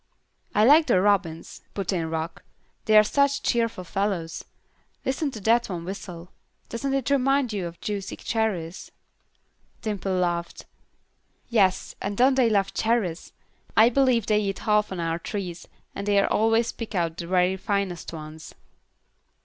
"I like the robins," put in Rock, "they are such cheerful fellows. Listen to that one whistle. Doesn't it remind you of juicy cherries?" Dimple laughed. "Yes, and don't they love cherries! I believe they eat half on our trees, and they always pick out the very finest ones."